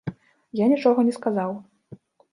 Я нічога не сказаў.